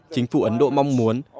chính phủ ấn độ mong muốn